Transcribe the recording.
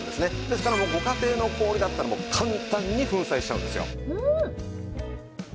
ですからご家庭の氷だったら簡単に粉砕しちゃうんですよ。